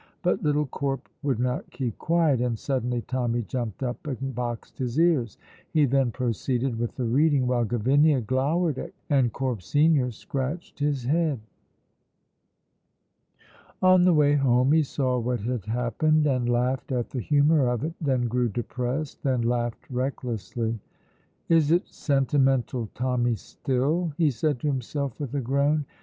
But little Corp would not keep quiet, and suddenly Tommy jumped up and boxed his ears. He then proceeded with the reading, while Gavinia glowered and Corp senior scratched his head. On the way home he saw what had happened, and laughed at the humour of it, then grew depressed, then laughed recklessly. "Is it Sentimental Tommy still?" he said to himself, with a groan.